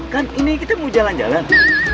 kan ini kita mau jalan jalan